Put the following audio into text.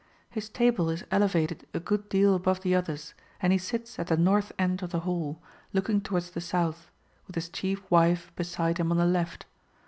His table is elevated a good deal above the others, and he sits at the north end of the hall, looking towards the south, with his chief wife beside him on the left.